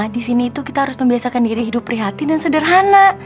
di sini itu kita harus membiasakan diri hidup prihatin dan sederhana